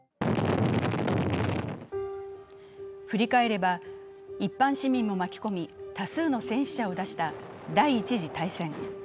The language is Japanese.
振り返れば一般市民も巻き込み多数の戦死者を出した第一次大戦。